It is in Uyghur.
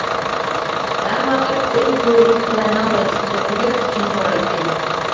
ھەر ۋاقىت ئۆز گۇرۇھىدىكىلەرنىڭ ۋەزىپىگە قويۇپ كۈچىنى زورايتتى.